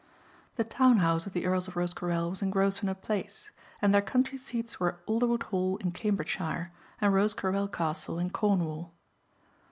The town house of the Earls of Rosecarrel was in Grosvenor Place and their country seats were Alderwood Hall in Cambridgeshire and Rosecarrel Castle in Cornwall.